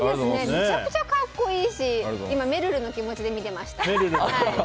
めちゃくちゃ格好いいし今、めるるの気持ちで見てました。